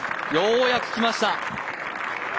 ようやくきました！